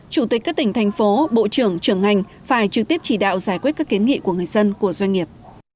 chủ tịch các tỉnh thành phố bộ trưởng trưởng ngành phải trực tiếp chỉ đạo giải quyết các kiến nghị của người dân của doanh nghiệp